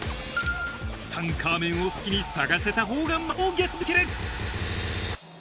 ツタンカーメンを先に探せたほうがマスをゲットできる！